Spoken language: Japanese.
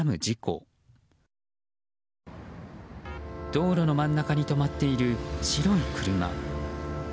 道路の真ん中に止まっている白い車。